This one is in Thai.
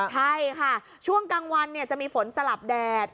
ใช่ค่ะช่วงกลางวันจะมีฝนสลับแดด